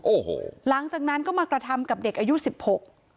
โอ้โหหลังจากนั้นก็มากระทำกับเด็กอายุสิบหก